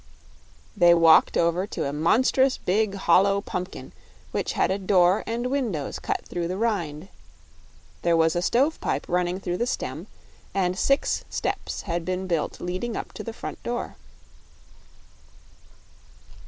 They walked over to a monstrous big, hollow pumpkin which had a door and windows cut through the rind. There was a stovepipe running through the stem, and six steps had been built leading up to the front door.